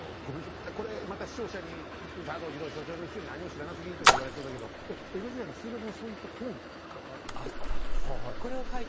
またこれまた視聴者に「佐藤二朗所長のくせに何も知らなすぎ」とか言われそうだけど江戸時代に数学のそういった本がある？